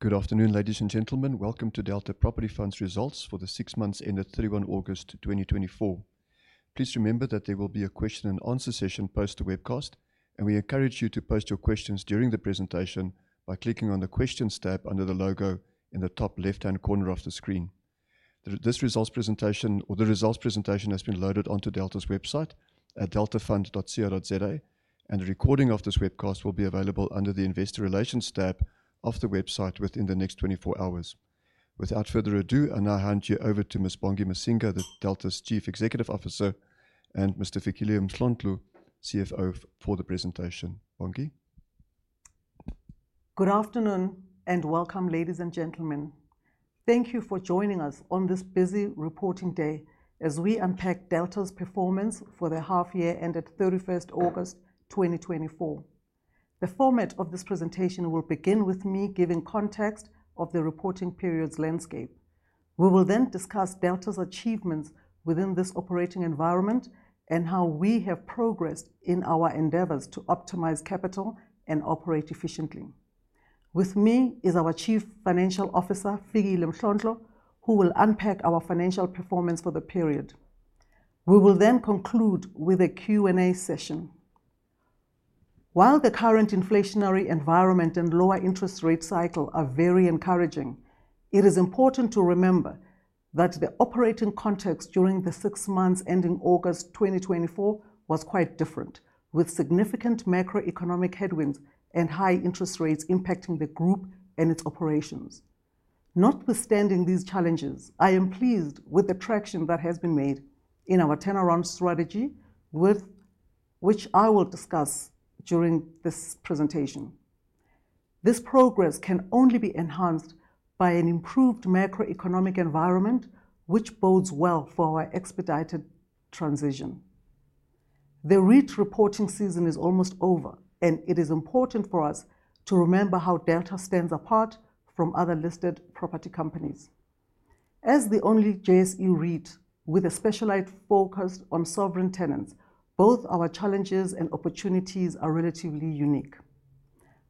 Good afternoon, ladies and gentlemen. Welcome to Delta Property Fund's results for the six months ended 31 August 2024. Please remember that there will be a question-and-answer session post the webcast, and we encourage you to post your questions during the presentation by clicking on the Questions tab under the logo in the top left-hand corner of the screen. This results presentation, or the results presentation, has been loaded onto Delta's website at deltafund.co.za, and the recording of this webcast will be available under the Investor Relations tab of the website within the next 24 hours. Without further ado, I now hand you over to Ms. Bongi Masinga, Delta's Chief Executive Officer, and Mr. Fikile Mhlontlo, CFO, for the presentation. Bongi. Good afternoon and welcome, ladies and gentlemen. Thank you for joining us on this busy reporting day as we unpack Delta's performance for the half-year ended 31st August 2024. The format of this presentation will begin with me giving context of the reporting period's landscape. We will then discuss Delta's achievements within this operating environment and how we have progressed in our endeavors to optimize capital and operate efficiently. With me is our Chief Financial Officer, Fikile Mhlontlo, who will unpack our financial performance for the period. We will then conclude with a Q&A session. While the current inflationary environment and lower interest rate cycle are very encouraging, it is important to remember that the operating context during the six months ending August 2024 was quite different, with significant macroeconomic headwinds and high interest rates impacting the group and its operations. Notwithstanding these challenges, I am pleased with the traction that has been made in our turnaround strategy, which I will discuss during this presentation. This progress can only be enhanced by an improved macroeconomic environment, which bodes well for our expedited transition. The REIT reporting season is almost over, and it is important for us to remember how Delta stands apart from other listed property companies. As the only JSE REIT with a specialized focus on sovereign tenants, both our challenges and opportunities are relatively unique.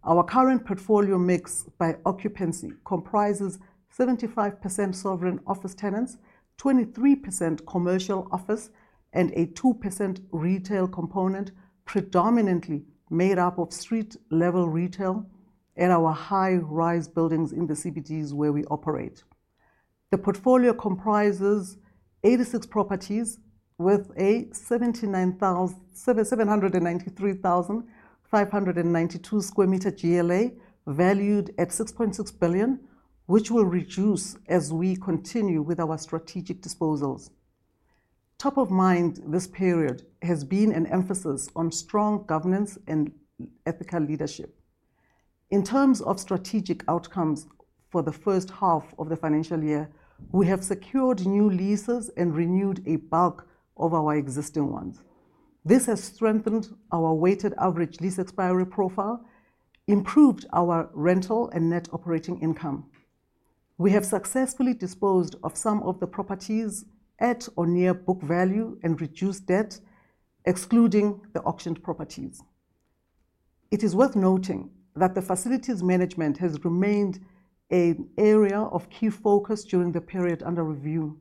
Our current portfolio mix by occupancy comprises 75% sovereign office tenants, 23% commercial office, and a 2% retail component, predominantly made up of street-level retail and our high-rise buildings in the CBDs where we operate. The portfolio comprises 86 properties with a 793,592 sq m GLA valued at 6.6 billion, which will reduce as we continue with our strategic disposals. Top of mind this period has been an emphasis on strong governance and ethical leadership. In terms of strategic outcomes for the first half of the financial year, we have secured new leases and renewed a bulk of our existing ones. This has strengthened our weighted average lease expiry profile, improved our rental and net operating income. We have successfully disposed of some of the properties at or near book value and reduced debt, excluding the auctioned properties. It is worth noting that the facilities management has remained an area of key focus during the period under review.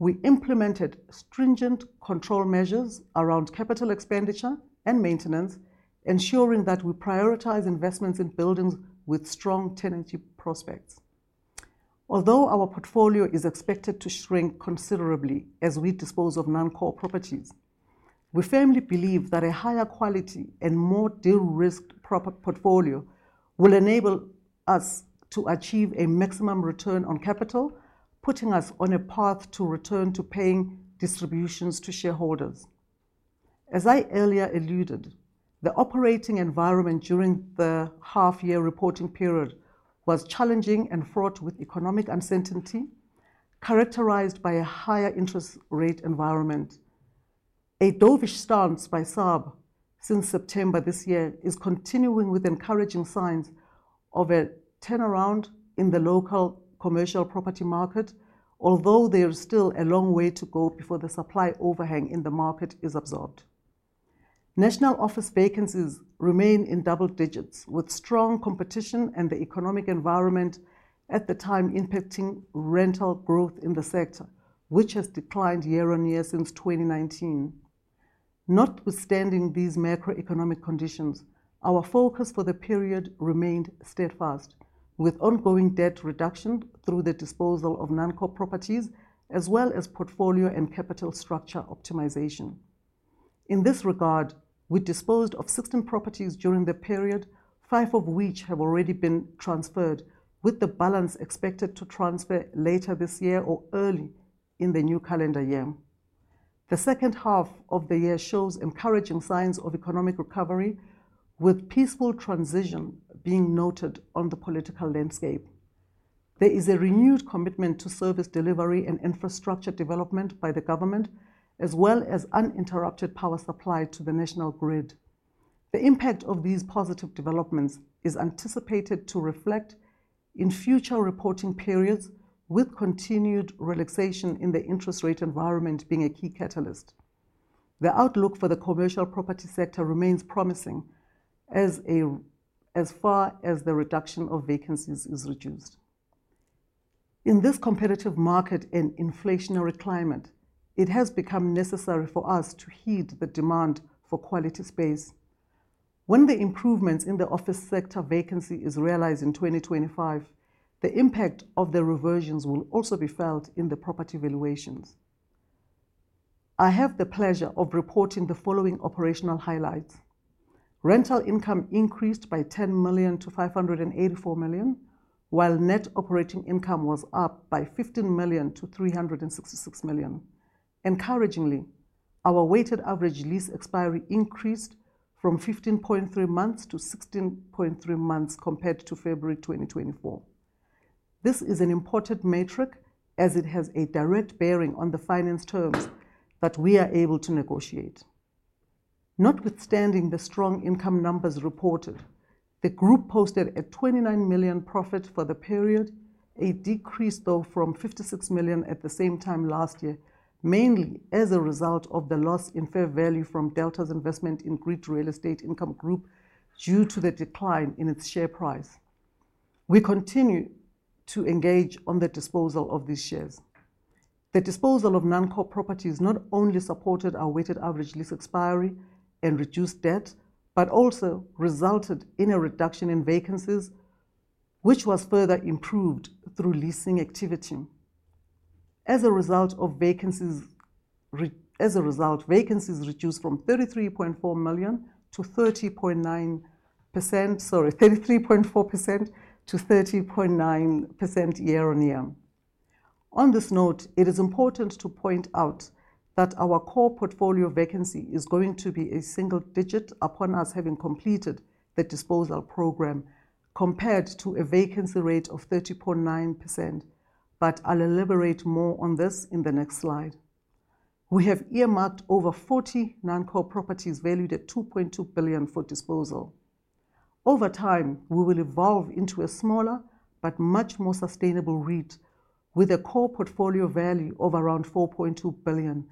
We implemented stringent control measures around capital expenditure and maintenance, ensuring that we prioritize investments in buildings with strong tenancy prospects. Although our portfolio is expected to shrink considerably as we dispose of non-core properties, we firmly believe that a higher quality and more de-risked portfolio will enable us to achieve a maximum return on capital, putting us on a path to return to paying distributions to shareholders. As I earlier alluded, the operating environment during the half-year reporting period was challenging and fraught with economic uncertainty, characterized by a higher interest rate environment. A dovish stance by SARB since September this year is continuing with encouraging signs of a turnaround in the local commercial property market, although there is still a long way to go before the supply overhang in the market is absorbed. National office vacancies remain in double digits, with strong competition and the economic environment at the time impacting rental growth in the sector, which has declined year-on-year since 2019. Notwithstanding these macroeconomic conditions, our focus for the period remained steadfast, with ongoing debt reduction through the disposal of non-core properties, as well as portfolio and capital structure optimization. In this regard, we disposed of 16 properties during the period, five of which have already been transferred, with the balance expected to transfer later this year or early in the new calendar year. The second half of the year shows encouraging signs of economic recovery, with peaceful transition being noted on the political landscape. There is a renewed commitment to service delivery and infrastructure development by the government, as well as uninterrupted power supply to the national grid. The impact of these positive developments is anticipated to reflect in future reporting periods, with continued relaxation in the interest rate environment being a key catalyst. The outlook for the commercial property sector remains promising as far as the reduction of vacancies is reduced. In this competitive market and inflationary climate, it has become necessary for us to heed the demand for quality space. When the improvements in the office sector vacancy are realized in 2025, the impact of the reversions will also be felt in the property valuations. I have the pleasure of reporting the following operational highlights. Rental income increased by 10 million to 584 million, while net operating income was up by 15 million to 366 million. Encouragingly, our weighted average lease expiry increased from 15.3 months to 16.3 months compared to February 2024. This is an important metric as it has a direct bearing on the finance terms that we are able to negotiate. Notwithstanding the strong income numbers reported, the group posted a 29 million profit for the period, a decrease though from 56 million at the same time last year, mainly as a result of the loss in fair value from Delta's investment in Grit Real Estate Income Group due to the decline in its share price. We continue to engage on the disposal of these shares. The disposal of non-core properties not only supported our weighted average lease expiry and reduced debt, but also resulted in a reduction in vacancies, which was further improved through leasing activity. As a result, vacancies reduced from 33.4 million to 30.9%, sorry, 33.4% to 30.9% year-on-year. On this note, it is important to point out that our core portfolio vacancy is going to be a single digit upon us having completed the disposal program, compared to a vacancy rate of 30.9%, but I'll elaborate more on this in the next slide. We have earmarked over 40 non-core properties valued at 2.2 billion for disposal. Over time, we will evolve into a smaller but much more sustainable REIT with a core portfolio value of around 4.2 billion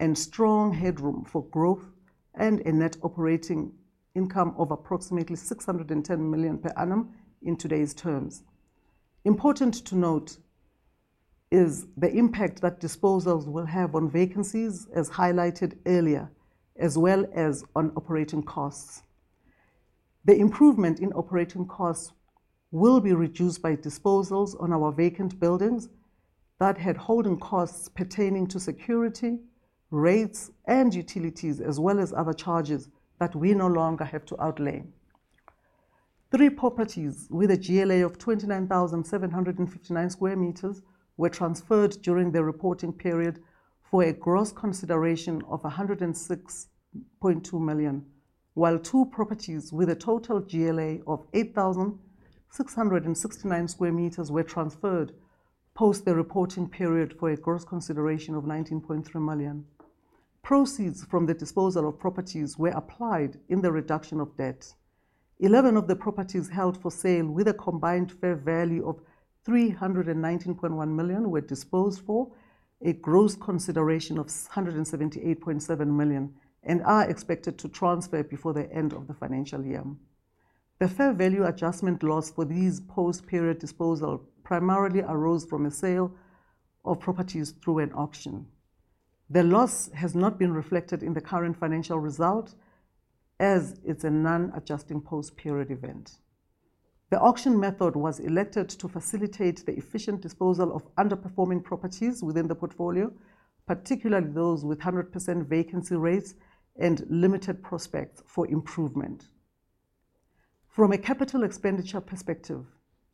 and strong headroom for growth and a net operating income of approximately 610 million per annum in today's terms. Important to note is the impact that disposals will have on vacancies, as highlighted earlier, as well as on operating costs. The improvement in operating costs will be reduced by disposals on our vacant buildings that had holding costs pertaining to security, rates, and utilities, as well as other charges that we no longer have to outlay. Three properties with a GLA of 29,759 square meters were transferred during the reporting period for a gross consideration of 106.2 million, while two properties with a total GLA of 8,669 square meters were transferred post the reporting period for a gross consideration of 19.3 million. Proceeds from the disposal of properties were applied in the reduction of debt. 11 of the properties held for sale with a combined fair value of 319.1 million were disposed for a gross consideration of 178.7 million and are expected to transfer before the end of the financial year. The fair value adjustment loss for these post-period disposal primarily arose from a sale of properties through an auction. The loss has not been reflected in the current financial result as it's a non-adjusting post-period event. The auction method was elected to facilitate the efficient disposal of underperforming properties within the portfolio, particularly those with 100% vacancy rates and limited prospects for improvement. From a capital expenditure perspective,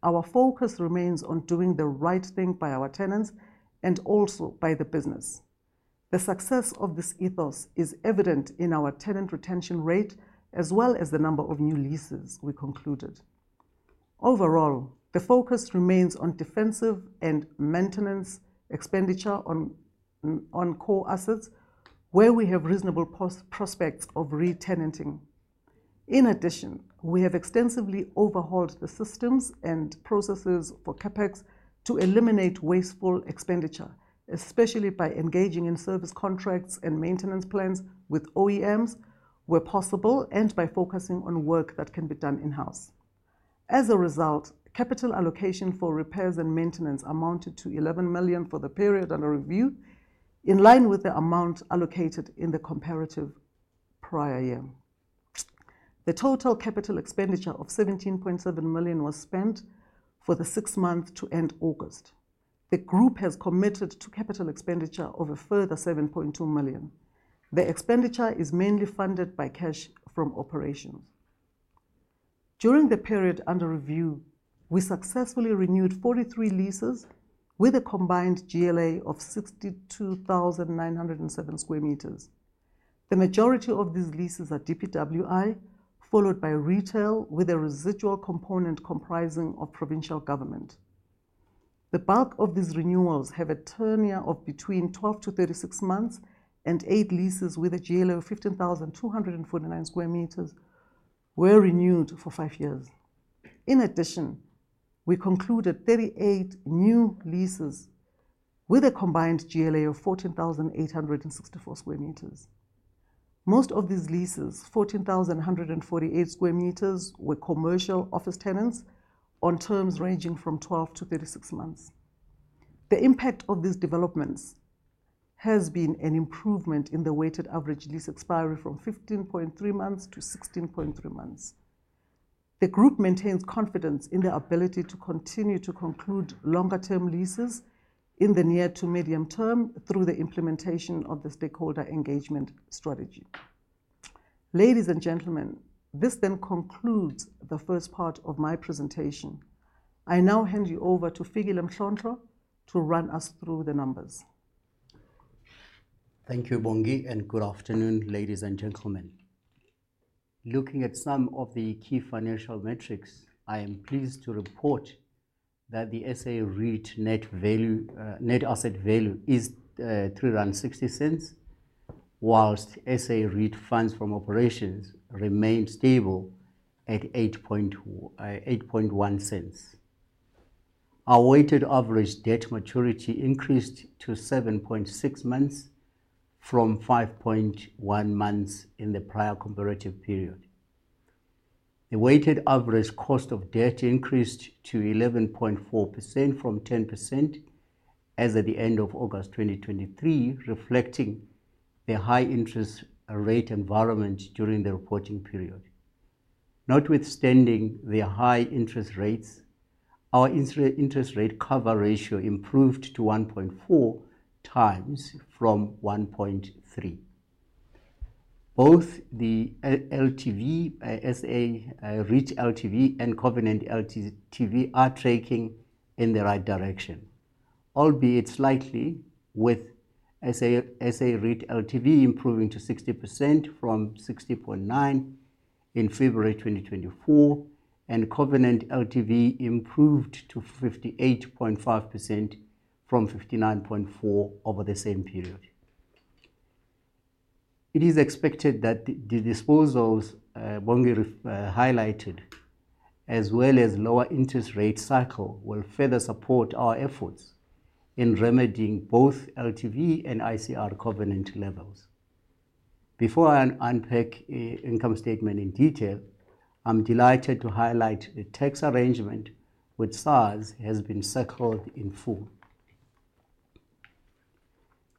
our focus remains on doing the right thing by our tenants and also by the business. The success of this ethos is evident in our tenant retention rate, as well as the number of new leases we concluded. Overall, the focus remains on defensive and maintenance expenditure on core assets, where we have reasonable prospects of re-tenanting. In addition, we have extensively overhauled the systems and processes for CapEx to eliminate wasteful expenditure, especially by engaging in service contracts and maintenance plans with OEMs where possible and by focusing on work that can be done in-house. As a result, capital allocation for repairs and maintenance amounted to 11 million for the period under review, in line with the amount allocated in the comparative prior year. The total capital expenditure of 17.7 million was spent for the six months to end August. The group has committed to capital expenditure of a further 7.2 million. The expenditure is mainly funded by cash from operations. During the period under review, we successfully renewed 43 leases with a combined GLA of 62,907 sq m. The majority of these leases are DPWI, followed by retail with a residual component comprising of provincial government. The bulk of these renewals have a tenure of between 12 to 36 months, and eight leases with a GLA of 15,249 sq m were renewed for five years. In addition, we concluded 38 new leases with a combined GLA of 14,864 sq m. Most of these leases, 14,148 sq m, were commercial office tenants on terms ranging from 12 to 36 months. The impact of these developments has been an improvement in the weighted average lease expiry from 15.3 months to 16.3 months. The group maintains confidence in the ability to continue to conclude longer-term leases in the near to medium term through the implementation of the stakeholder engagement strategy. Ladies and gentlemen, this then concludes the first part of my presentation. I now hand you over to Fikile Mhlontlo to run us through the numbers. Thank you, Bongi, and good afternoon, ladies and gentlemen. Looking at some of the key financial metrics, I am pleased to report that the SA REIT net asset value is 3.60, while SA REIT funds from operations remain stable at 0.081. Our weighted average debt maturity increased to 7.6 months from 5.1 months in the prior comparative period. The weighted average cost of debt increased to 11.4% from 10% as of the end of August 2023, reflecting the high interest rate environment during the reporting period. Notwithstanding the high interest rates, our interest rate cover ratio improved to 1.4 times from 1.3. Both the LTV, SA REIT LTV, and Covenant LTV are tracking in the right direction, albeit slightly, with SA REIT LTV improving to 60% from 60.9% in February 2024, and Covenant LTV improved to 58.5% from 59.4% over the same period. It is expected that the disposals Bongi highlighted, as well as lower interest rate cycle, will further support our efforts in remedying both LTV and ICR Covenant levels. Before I unpack income statement in detail, I'm delighted to highlight the tax arrangement with SARS has been settled in full.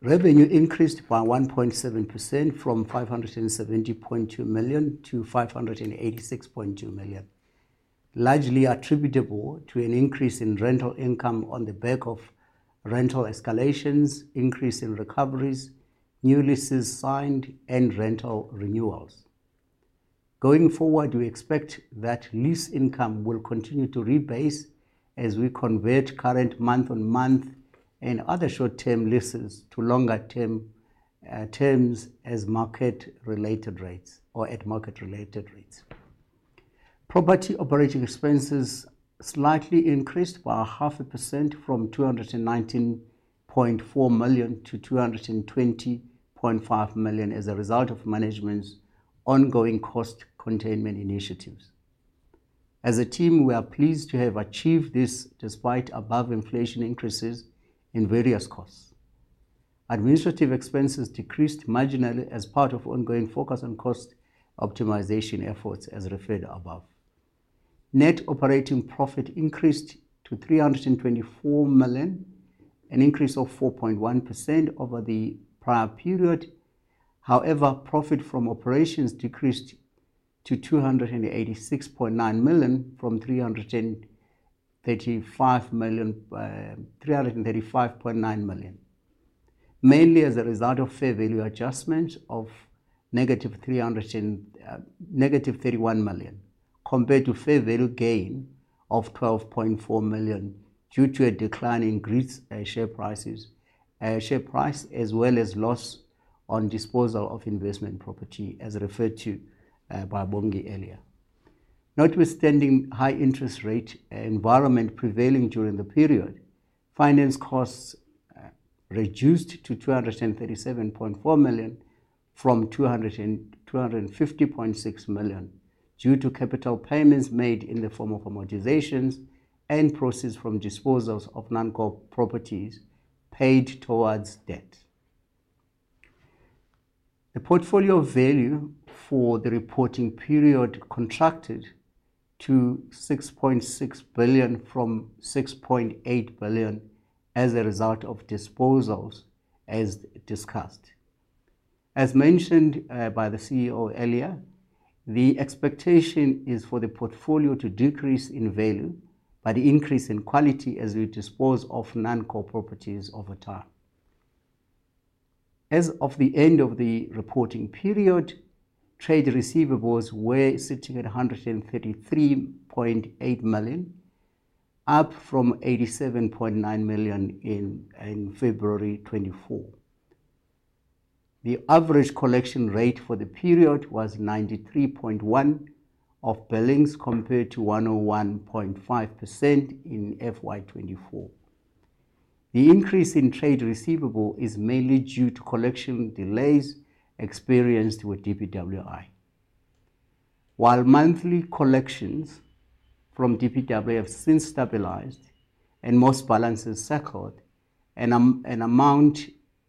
Revenue increased by 1.7% from 570.2 million to 586.2 million, largely attributable to an increase in rental income on the back of rental escalations, increase in recoveries, new leases signed, and rental renewals. Going forward, we expect that lease income will continue to rebase as we convert current month-on-month and other short-term leases to longer-term terms as market-related rates or at market-related rates. Property operating expenses slightly increased by 0.5% from 219.4 million to 220.5 million as a result of management's ongoing cost containment initiatives. As a team, we are pleased to have achieved this despite above inflation increases in various costs. Administrative expenses decreased marginally as part of ongoing focus on cost optimization efforts as referred above. Net operating profit increased to 324 million, an increase of 4.1% over the prior period. However, profit from operations decreased to 286.9 million from 335.9 million, mainly as a result of fair value adjustment of negative 31 million, compared to fair value gain of 12.4 million due to a decline in Grit share prices, share price, as well as loss on disposal of investment property as referred to by Bongi earlier. Notwithstanding high interest rate environment prevailing during the period, finance costs reduced to 237.4 million from 250.6 million due to capital payments made in the form of amortizations and proceeds from disposals of non-core properties paid towards debt. The portfolio value for the reporting period contracted to 6.6 billion from 6.8 billion as a result of disposals as discussed. As mentioned by the CEO earlier, the expectation is for the portfolio to decrease in value by the increase in quality as we dispose of non-core properties over time. As of the end of the reporting period, trade receivables were sitting at 133.8 million, up from 87.9 million in February 2024. The average collection rate for the period was 93.1% of billings compared to 101.5% in FY 2024. The increase in trade receivables is mainly due to collection delays experienced with DPWI. While monthly collections from DPW have since stabilized and most balances cleared, an amount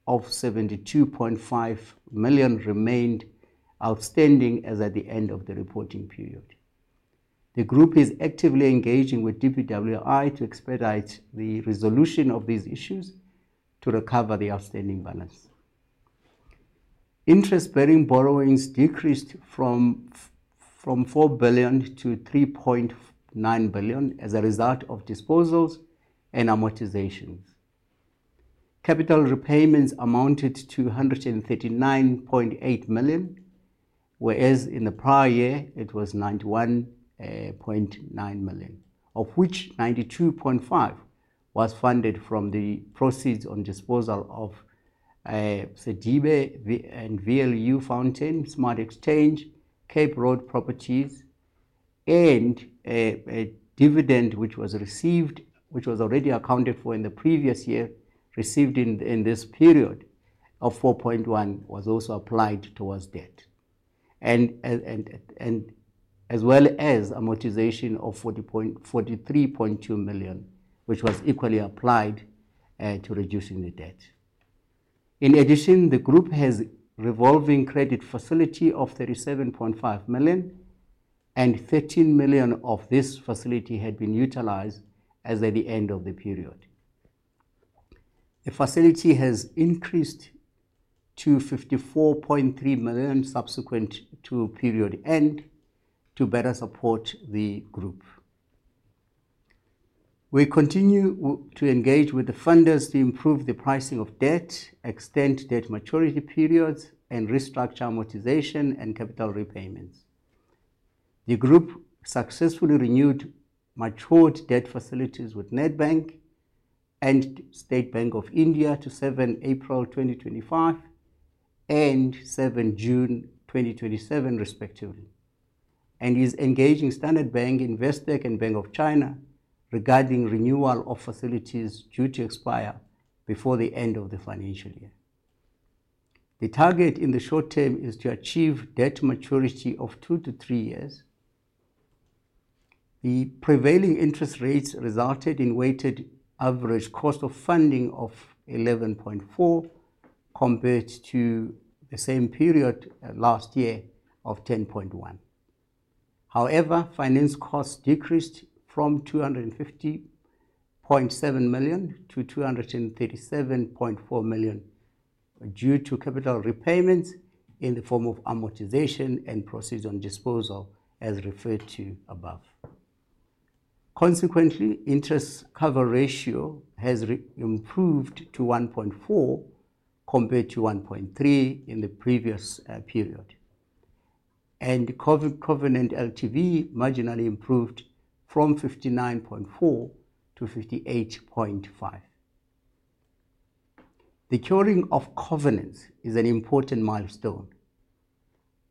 of 72.5 million remained outstanding as at the end of the reporting period. The group is actively engaging with DPWI to expedite the resolution of these issues to recover the outstanding balance. Interest-bearing borrowings decreased from 4 billion to 3.9 billion as a result of disposals and amortizations. Capital repayments amounted to 139.8 million, whereas in the prior year it was 91.9 million, of which 92.5 was funded from the proceeds on disposal of Sediba and VLU, Fountain, Smart Exchange, Cape Road properties, and a dividend which was received, which was already accounted for in the previous year, received in this period of 4.1 was also applied towards debt, and as well as amortization of 43.2 million, which was equally applied to reducing the debt. In addition, the group has revolving credit facility of 37.5 million, and 13 million of this facility had been utilized as of the end of the period. The facility has increased to 54.3 million subsequent to period end to better support the group. We continue to engage with the funders to improve the pricing of debt, extend debt maturity periods, and restructure amortization and capital repayments. The group successfully renewed matured debt facilities with Nedbank and State Bank of India to 7 April 2025 and 7 June 2027, respectively, and is engaging Standard Bank, Investec, and Bank of China regarding renewal of facilities due to expire before the end of the financial year. The target in the short term is to achieve debt maturity of two to three years. The prevailing interest rates resulted in weighted average cost of funding of 11.4% compared to the same period last year of 10.1%. However, finance costs decreased from 250.7 million to 237.4 million due to capital repayments in the form of amortization and proceeds on disposal as referred to above. Consequently, interest cover ratio has improved to 1.4 compared to 1.3 in the previous period, and Covenant LTV marginally improved from 59.4 to 58.5. The curing of Covenants is an important milestone.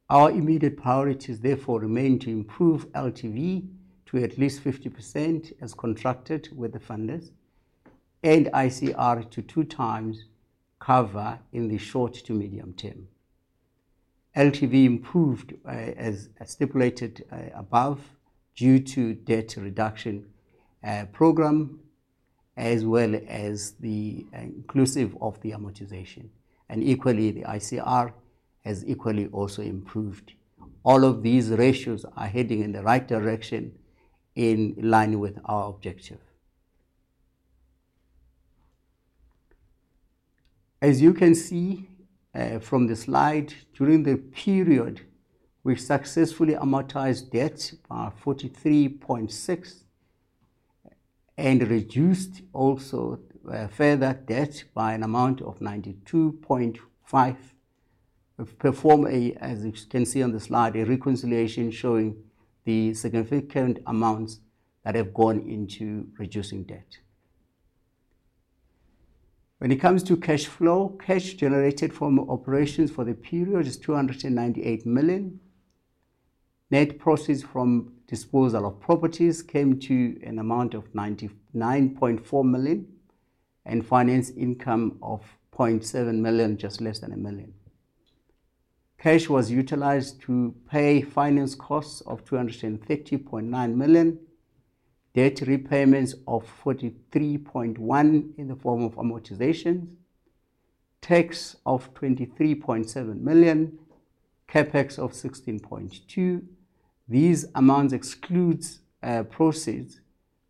Our immediate priorities, therefore, remain to improve LTV to at least 50% as contracted with the funders and ICR to two times cover in the short to medium term. LTV improved, as stipulated above, due to debt reduction program, as well as the inclusion of the amortization, and equally, the ICR has equally also improved. All of these ratios are heading in the right direction in line with our objective. As you can see from the slide, during the period, we successfully amortized debt by 43.6 million and reduced also further debt by an amount of 92.5 million. We've performed, as you can see on the slide, a reconciliation showing the significant amounts that have gone into reducing debt. When it comes to cash flow, cash generated from operations for the period is 298 million. Net proceeds from disposal of properties came to an amount of 99.4 million and finance income of 0.7 million, just less than a million. Cash was utilized to pay finance costs of 230.9 million, debt repayments of 43.1 million in the form of amortizations, tax of 23.7 million, CapEx of 16.2 million. These amounts exclude proceeds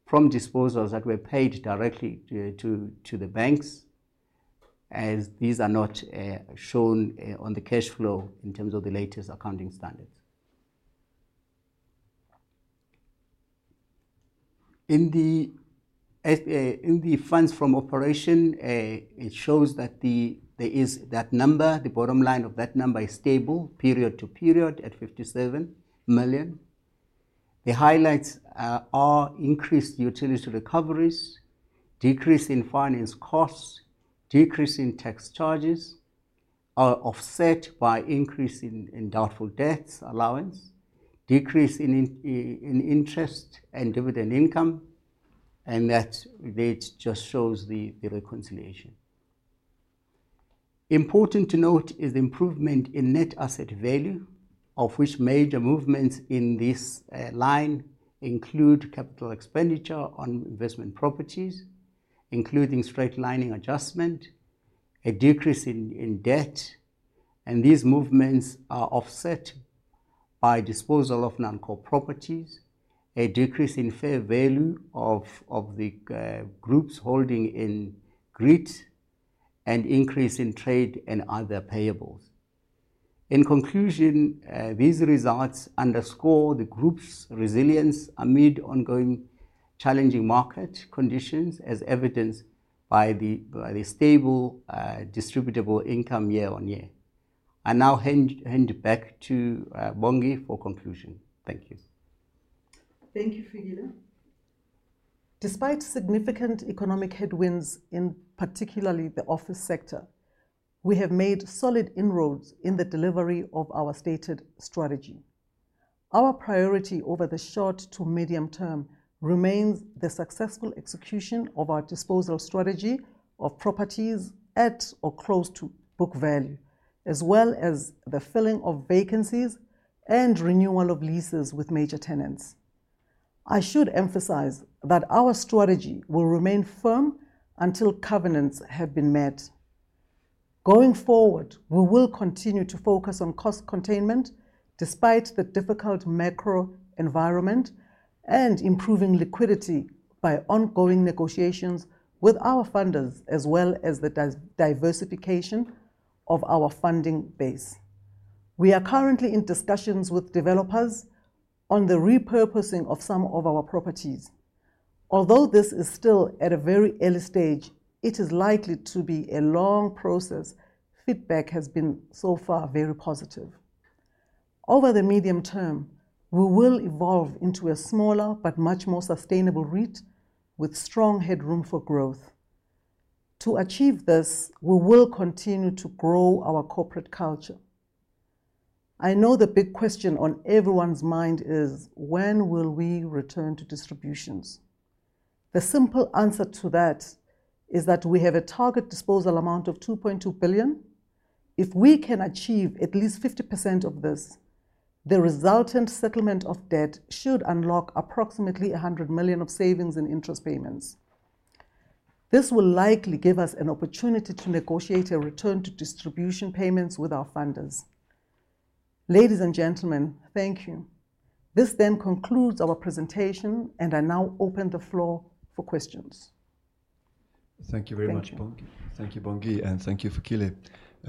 from disposals that were paid directly to the banks, as these are not shown on the cash flow in terms of the latest accounting standards. In the funds from operation, it shows that there is that number. The bottom line of that number is stable period to period at 57 million. The highlights are increased utility recoveries, decrease in finance costs, decrease in tax charges, which are offset by increase in doubtful debts allowance, decrease in interest and dividend income, and that just shows the reconciliation. Important to note is the improvement in net asset value, of which major movements in this line include capital expenditure on investment properties, including straightlining adjustment, a decrease in debt, and these movements are offset by disposal of non-core properties, a decrease in fair value of the group's holding in Grit, and increase in trade and other payables. In conclusion, these results underscore the group's resilience amid ongoing challenging market conditions, as evidenced by the stable distributable income year-on-year. I now hand back to Bongi for conclusion. Thank you. Thank you, Fikile. Despite significant economic headwinds, in particular the office sector, we have made solid inroads in the delivery of our stated strategy. Our priority over the short to medium term remains the successful execution of our disposal strategy of properties at or close to book value, as well as the filling of vacancies and renewal of leases with major tenants. I should emphasize that our strategy will remain firm until covenants have been met. Going forward, we will continue to focus on cost containment despite the difficult macro environment and improving liquidity by ongoing negotiations with our funders, as well as the diversification of our funding base. We are currently in discussions with developers on the repurposing of some of our properties. Although this is still at a very early stage, it is likely to be a long process. Feedback has been so far very positive. Over the medium term, we will evolve into a smaller but much more sustainable REIT with strong headroom for growth. To achieve this, we will continue to grow our corporate culture. I know the big question on everyone's mind is, when will we return to distributions? The simple answer to that is that we have a target disposal amount of 2.2 billion. If we can achieve at least 50% of this, the resultant settlement of debt should unlock approximately 100 million of savings in interest payments. This will likely give us an opportunity to negotiate a return to distribution payments with our funders. Ladies and gentlemen, thank you. This then concludes our presentation, and I now open the floor for questions. Thank you very much, Bongi. Thank you, Bongi, and thank you, Fikile.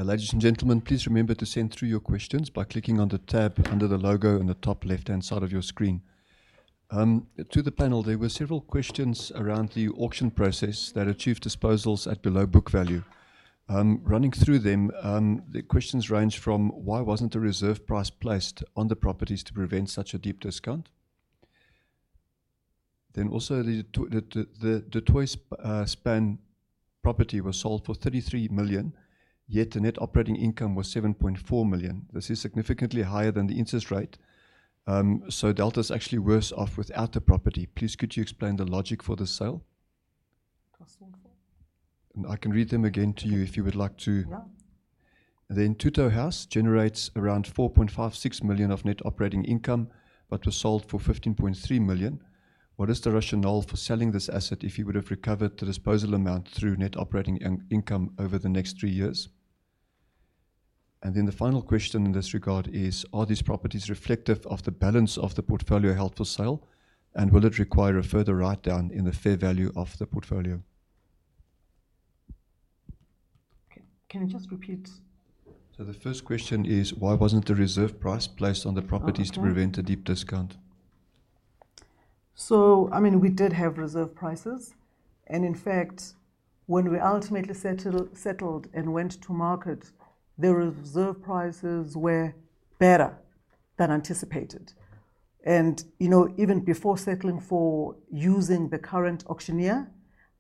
Ladies and gentlemen, please remember to send through your questions by clicking on the tab under the logo on the top left-hand side of your screen. To the panel, there were several questions around the auction process that achieved disposals at below book value. Running through them, the questions range from why wasn't a reserve price placed on the properties to prevent such a deep discount. Then also, the Du Toitspan property was sold for 33 million, yet the net operating income was 7.4 million. This is significantly higher than the interest rate, so Delta is actually worse off without the property. Please could you explain the logic for the sale? And I can read them again to you if you would like to. Then Thuto House generates around 4.56 million of net operating income but was sold for 15.3 million. What is the rationale for selling this asset if you would have recovered the disposal amount through net operating income over the next three years? And then the final question in this regard is, are these properties reflective of the balance of the portfolio held for sale, and will it require a further write-down in the fair value of the portfolio? Can you just repeat? So the first question is, why wasn't the reserve price placed on the properties to prevent a deep discount? So, I mean, we did have reserve prices, and in fact, when we ultimately settled and went to market, the reserve prices were better than anticipated. And even before settling for using the current auctioneer,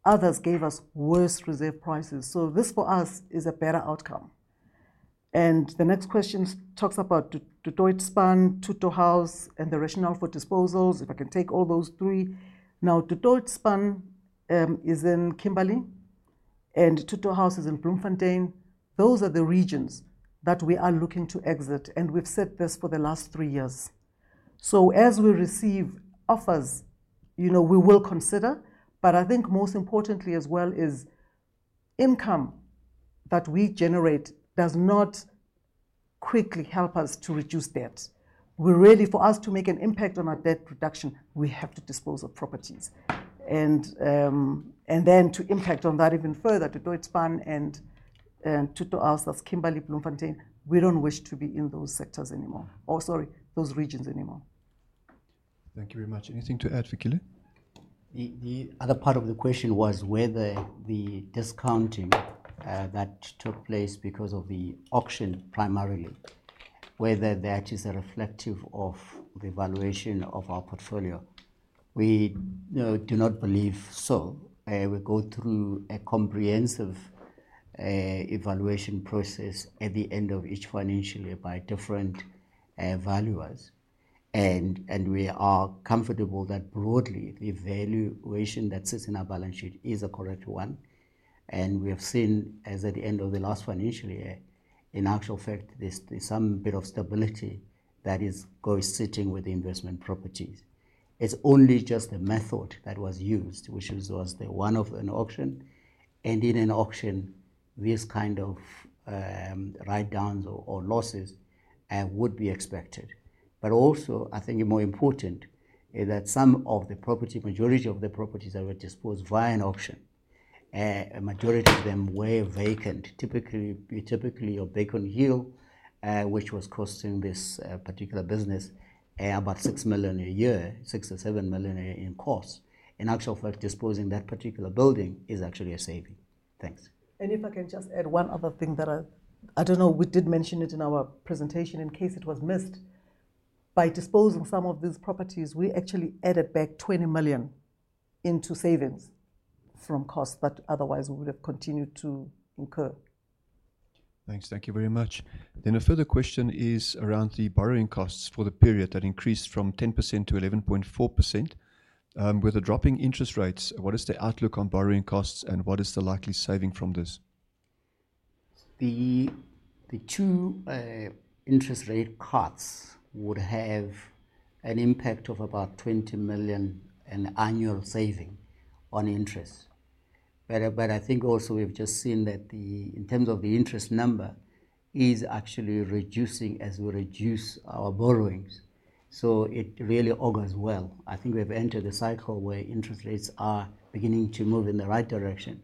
others gave us worse reserve prices. So this for us is a better outcome. And the next question talks about Du Toitspan, Thuto House, and the rationale for disposals, if I can take all those three. Now, Du Toitspan is in Kimberley, and Thuto House is in Bloemfontein. Those are the regions that we are looking to exit, and we've said this for the last three years. So as we receive offers, we will consider, but I think most importantly as well is income that we generate does not quickly help us to reduce debt. For us to make an impact on our debt reduction, we have to dispose of properties. And then to impact on that even further, Dutoitspan and Thuto House, that's Kimberley, Bloemfontein, we don't wish to be in those sectors anymore, or sorry, those regions anymore. Thank you very much. Anything to add, Fikile? The other part of the question was whether the discounting that took place because of the auction primarily, whether that is a reflective of the valuation of our portfolio. We do not believe so. We go through a comprehensive evaluation process at the end of each financial year by different valuers, and we are comfortable that broadly the valuation that sits in our balance sheet is a correct one, and we have seen as at the end of the last financial year, in actual fact, there's some bit of stability that is going sitting with the investment properties. It's only just the method that was used, which was one of an auction, and in an auction, these kind of write-downs or losses would be expected, but also, I think more important is that some of the property, majority of the properties that were disposed via an auction, a majority of them were vacant, typically a vacant hill, which was costing this particular business about 6 million a year, 7 million - 7 million a year in cost. In actual fact, disposing that particular building is actually a saving. Thanks. And if I can just add one other thing that I don't know, we did mention it in our presentation in case it was missed. By disposing some of these properties, we actually added back 20 million into savings from costs, but otherwise we would have continued to incur. Thanks. Thank you very much. Then a further question is around the borrowing costs for the period that increased from 10% to 11.4%. With the dropping interest rates, what is the outlook on borrowing costs and what is the likely saving from this? The two interest rate cuts would have an impact of about 20 million in annual saving on interest. But I think also we've just seen that in terms of the interest number is actually reducing as we reduce our borrowings. So it really augurs well. I think we have entered a cycle where interest rates are beginning to move in the right direction.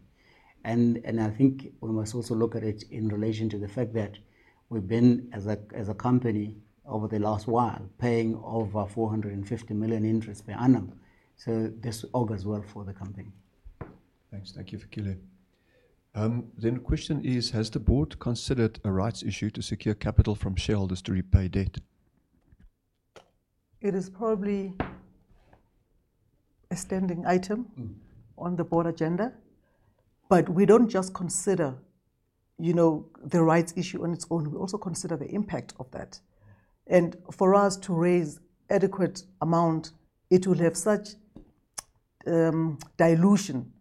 I think we must also look at it in relation to the fact that we've been as a company over the last while paying over 450 million in interest per annum. So this augurs well for the company. Thanks. Thank you, Fikile. Then the question is, has the board considered a rights issue to secure capital from shareholders to repay debt? It is probably a standing item on the board agenda, but we don't just consider the rights issue on its own. We also consider the impact of that. And for us to raise an adequate amount, it will have such dilution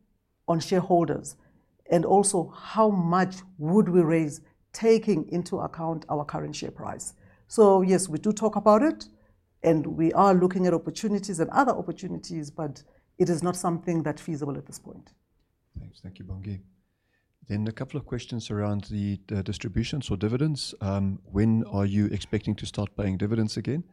on shareholders and also how much would we raise taking into account our current share price. So yes, we do talk about it, and we are looking at opportunities and other opportunities, but it is not something that's feasible at this point. Thanks. Thank you, Bongi. Then a couple of questions around the distributions or dividends. When are you expecting to start paying dividends again?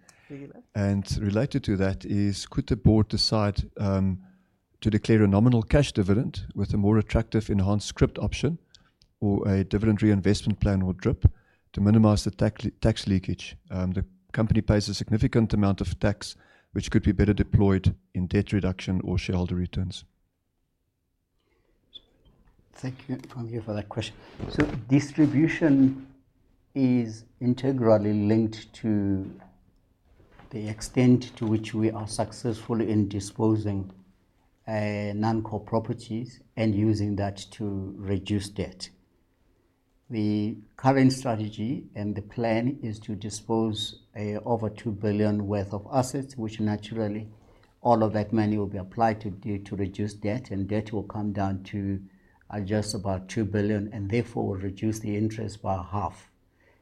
And related to that is, could the board decide to declare a nominal cash dividend with a more attractive enhanced scrip option or a dividend reinvestment plan or DRIP to minimize the tax leakage? The company pays a significant amount of tax, which could be better deployed in debt reduction or shareholder returns. Thank you, Bongi, for that question. So distribution is integrally linked to the extent to which we are successful in disposing of non-core properties and using that to reduce debt. The current strategy and the plan is to dispose of over 2 billion worth of assets, which naturally all of that money will be applied to reduce debt, and debt will come down to just about 2 billion and therefore will reduce the interest by half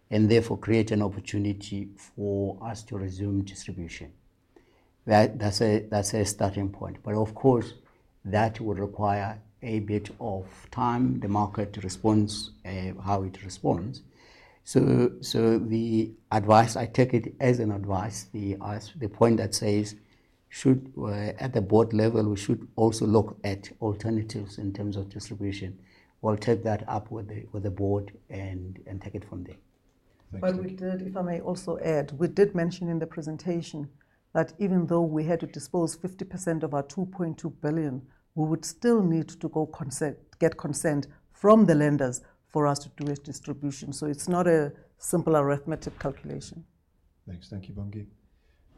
and therefore create an opportunity for us to resume distribution. That's a starting point. But of course, that would require a bit of time, the market to respond, how it responds. So the advice, I take it as an advice, the point that says, at the board level, we should also look at alternatives in terms of distribution. We'll take that up with the board and take it from there. But we did, if I may also add, we did mention in the presentation that even though we had to dispose 50% of our 2.2 billion, we would still need to get consent from the lenders for us to do a distribution. So it's not a simple arithmetic calculation. Thanks. Thank you, Bongi.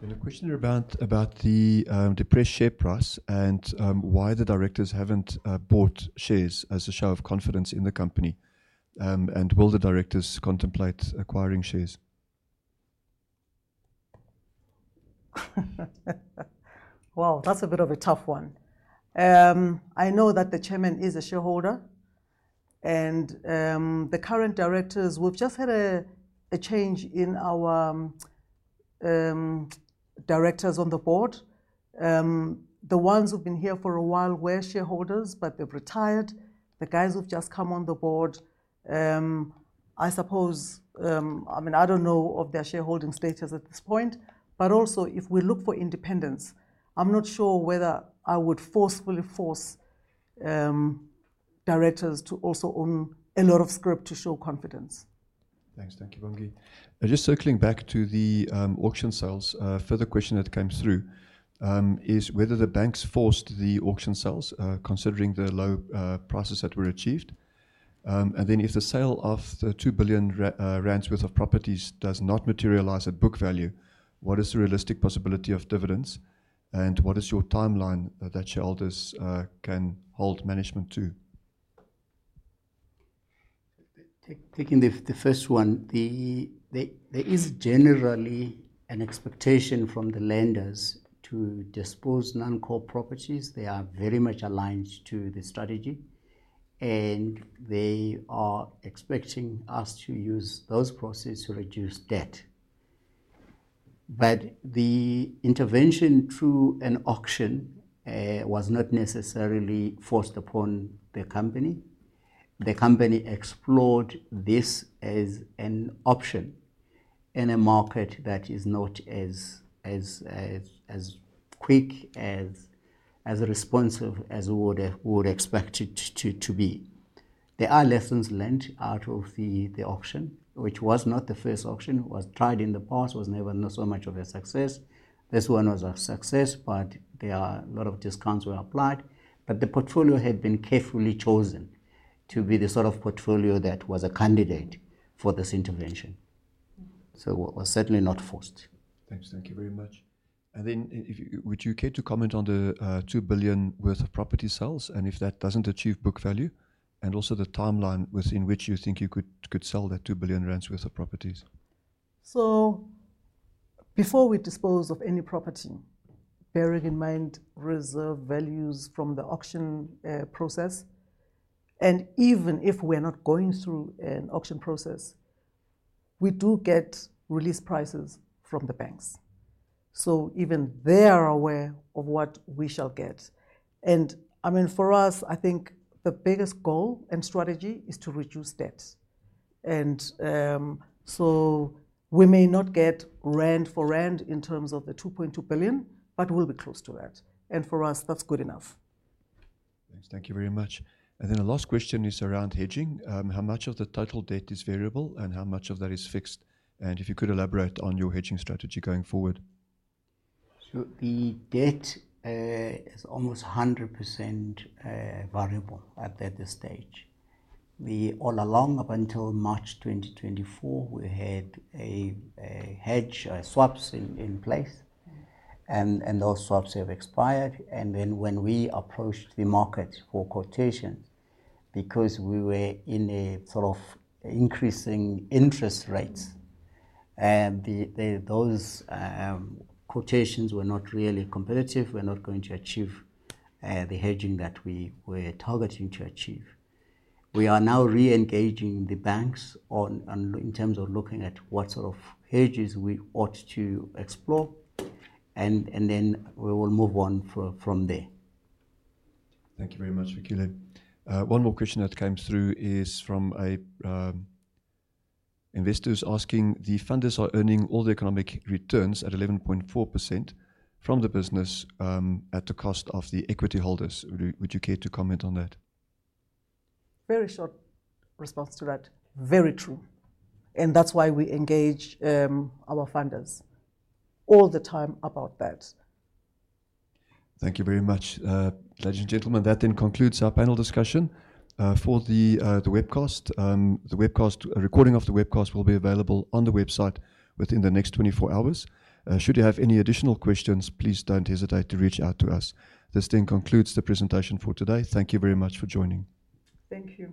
Then a question about the depressed share price and why the directors haven't bought shares as a show of confidence in the company. And will the directors contemplate acquiring shares? Wow, that's a bit of a tough one. I know that the chairman is a shareholder, and the current directors, we've just had a change in our directors on the board. The ones who've been here for a while were shareholders, but they've retired. The guys who've just come on the board, I suppose. I mean, I don't know of their shareholding status at this point, but also if we look for independence, I'm not sure whether I would forcefully force directors to also own a lot of scrip to show confidence. Thanks. Thank you, Bongi. Just circling back to the auction sales, a further question that came through is whether the banks forced the auction sales, considering the low prices that were achieved. And then if the sale of the 2 billion rand worth of properties does not materialize at book value, what is the realistic possibility of dividends and what is your timeline that shareholders can hold management to? Taking the first one, there is generally an expectation from the lenders to dispose of non-core properties. They are very much aligned to the strategy, and they are expecting us to use those processes to reduce debt. But the intervention through an auction was not necessarily forced upon the company. The company explored this as an option in a market that is not as quick, as responsive as we would have expected to be. There are lessons learned out of the auction, which was not the first auction. It was tried in the past, was never so much of a success. This one was a success, but there are a lot of discounts were applied. But the portfolio had been carefully chosen to be the sort of portfolio that was a candidate for this intervention. So it was certainly not forced. Thanks. Thank you very much. And then would you care to comment on the 2 billion worth of property sales and if that doesn't achieve book value and also the timeline within which you think you could sell that 2 billion rand worth of properties? So before we dispose of any property, bearing in mind reserve values from the auction process, and even if we're not going through an auction process, we do get release prices from the banks. So even they are aware of what we shall get. And I mean, for us, I think the biggest goal and strategy is to reduce debt. And so we may not get rand for rand in terms of the 2.2 billion, but we'll be close to that. And for us, that's good enough. Thanks. Thank you very much. And then the last question is around hedging. How much of the total debt is variable and how much of that is fixed? And if you could elaborate on your hedging strategy going forward? So the debt is almost 100% variable at this stage. All along up until March 2024, we had hedge swaps in place, and those swaps have expired. And then when we approached the market for quotations, because we were in a sort of increasing interest rates, those quotations were not really competitive. We're not going to achieve the hedging that we were targeting to achieve. We are now re-engaging the banks in terms of looking at what sort of hedges we ought to explore, and then we will move on from there. Thank you very much, Fikile. One more question that came through is from investors asking, the funders are earning all the economic returns at 11.4% from the business at the cost of the equity holders. Would you care to comment on that? Very short response to that. Very true. And that's why we engage our funders all the time about that. Thank you very much. Ladies and gentlemen, that then concludes our panel discussion. For the webcast, the recording of the webcast will be available on the website within the next 24 hours. Should you have any additional questions, please don't hesitate to reach out to us. This then concludes the presentation for today. Thank you very much for joining. Thank you.